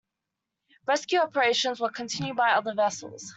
Rescue operations were continued by other vessels.